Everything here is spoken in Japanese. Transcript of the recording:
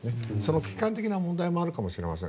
期間的な問題もあるかもしれません。